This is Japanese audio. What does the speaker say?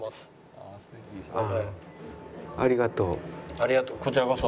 ありがとうこちらこそ。